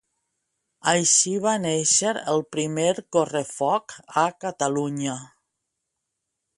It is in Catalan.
Així va néixer el primer correfoc a Catalunya.